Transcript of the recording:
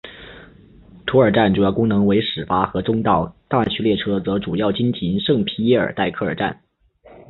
图尔站主要功能为始发和终到大区列车则主要经停圣皮耶尔代科尔站。